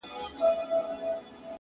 هغه له منځه ولاړ سي ـ